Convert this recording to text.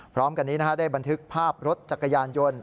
พร้อมกันนี้ได้บันทึกภาพรถจักรยานยนต์